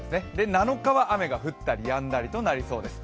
７日は雨が降ったりやんだりとなりそうです。